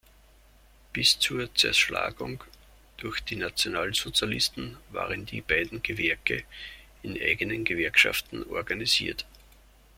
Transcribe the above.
Bis zur Zerschlagung durch die Nationalsozialisten waren die beiden Gewerke in eigenen Gewerkschaften organisiert.